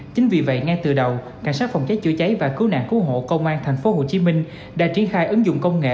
chính vì vậy ngay từ đầu cảnh sát phòng cháy chữa cháy và cứu nạn cứu hộ công an tp hcm đã triển khai ứng dụng công nghệ